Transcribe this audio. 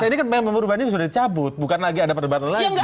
ini kan memang perubahan ini sudah dicabut bukan lagi ada perdebatan lagi